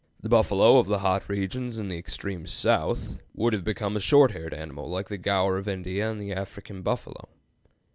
The buffalo of the hot regions in the extreme south would have become a short haired animal like the gaur of India and the African buffalo.